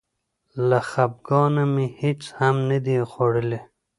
له خپګانه مې هېڅ هم نه دي خوړلي.